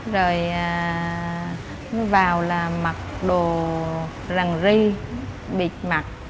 rồi nó vào là mặc đồ rằn ri bịt mặt